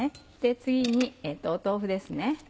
次に豆腐ですね